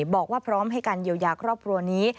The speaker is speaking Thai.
บอกว่าพร้อมให้การเยียวยาครอบครัวนี้